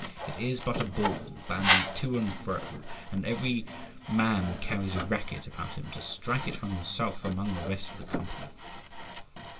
It is but a ball bandied to and fro, and every man carries a racket about him to strike it from himself among the rest of the company.